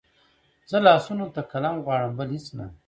زه لاسونو ته قلم غواړم بل هېڅ نه